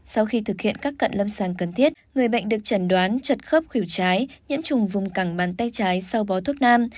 sau khi thực hiện các cận lâm sàng cần thiết người bệnh được chẩn đoán trật khớp khử trái nhiễm trùng vùng cẳng bàn tay trái sau bó thuốc nam